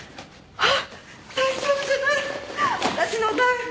あっ。